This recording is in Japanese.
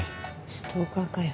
ストーカーかよ。